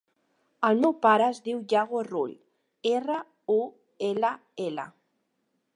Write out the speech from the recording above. El meu pare es diu Yago Rull: erra, u, ela, ela.